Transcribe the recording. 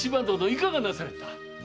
いかがなされた？